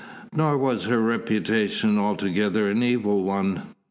Nor was her reputation altogether an evil one.